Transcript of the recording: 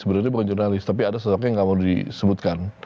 sebenarnya bukan jurnalis tapi ada sosoknya yang nggak mau disebutkan